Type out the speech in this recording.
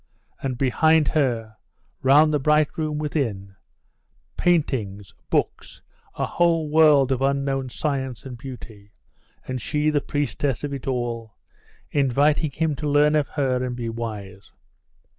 And behind her, round the bright room within, painting, books, a whole world of unknown science and beauty.... and she the priestess of it all....inviting him to learn of her and be wise!